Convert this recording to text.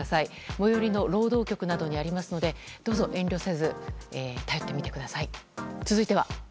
最寄りの労働局などにありますのでどうぞ遠慮せず頼ってみてください。